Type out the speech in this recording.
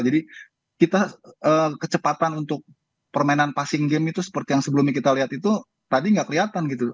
jadi kita kecepatan untuk permainan passing game itu seperti yang sebelumnya kita lihat itu tadi tidak kelihatan gitu